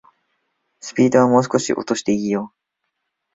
スピードはもう少し落としていいよ